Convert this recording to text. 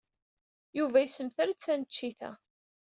Yuba yessemter-d taneččit-a.